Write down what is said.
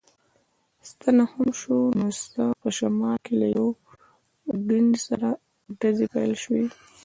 ستنه هم شو، نو څه، په شمال کې له یوډین سره ډزې پیل شوې.